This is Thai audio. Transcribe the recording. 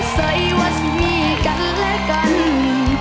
ไซวาซิมีกันและกัน